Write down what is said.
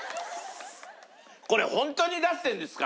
これホントに出してるんですか？